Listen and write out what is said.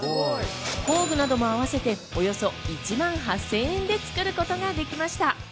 工具などもあわせておよそ１万８０００円で作ることができました。